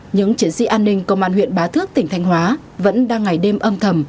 những chiến sĩ an ninh công an huyện bá thước tỉnh thanh hóa vẫn đang ngày đêm âm thầm